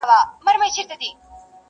دا د نحوي قصیدې د چا په ښه دي!!